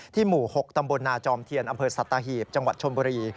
หมู่๖ตำบลนาจอมเทียนอำเภอสัตหีบจังหวัดชนบุรี